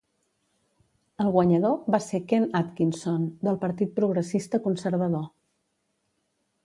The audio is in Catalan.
El guanyador va ser Ken Atkinson, del partit progressista conservador.